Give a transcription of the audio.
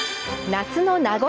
夏の名残